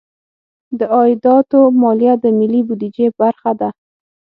د عایداتو مالیه د ملي بودیجې برخه ده.